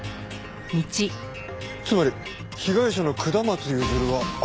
つまり被害者の下松譲は悪徳警官。